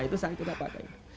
itu saat kita pakai